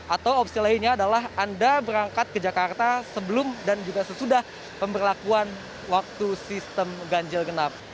atau opsi lainnya adalah anda berangkat ke jakarta sebelum dan juga sesudah pemberlakuan waktu sistem ganjil genap